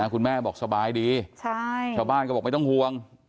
คุณแม่บอกสบายดีชาวบ้านก็บอกไม่ต้องห่วง